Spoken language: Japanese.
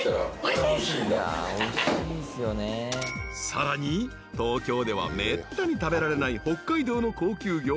［さらに東京ではめったに食べられない北海道の高級魚］